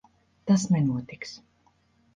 Tas nenotiks.